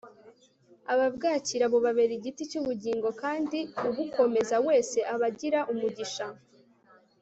ababwakira bubabera igiti cy'ubugingo; kandi ubukomeza wese aba agira umugisha